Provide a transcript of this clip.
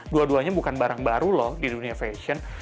dua duanya bukan barang baru loh di dunia fashion